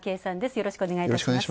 よろしくお願いします。